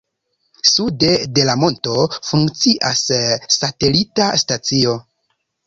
Sude de la monto funkcias satelita stacio.